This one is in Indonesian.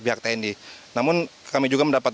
pihak tni namun kami juga mendapat